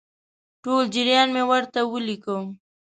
ټول جریان مې ورته ولیکه.